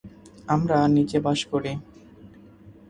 আমরা নীচে বাস করি।